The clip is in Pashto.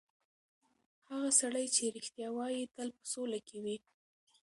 هغه سړی چې رښتیا وایي، تل په سوله کې وي.